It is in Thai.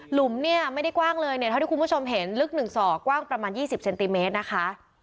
หุมเนี่ยไม่ได้กว้างเลยเนี่ยเท่าที่คุณผู้ชมเห็นลึก๑ศอกกว้างประมาณ๒๐เซนติเมตรนะคะ